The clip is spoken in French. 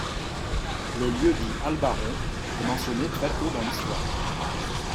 Le lieu-dit Albaron est mentionné très tôt dans l'Histoire.